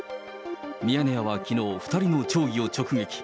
ミヤネ屋はきのう、２人の町議を直撃。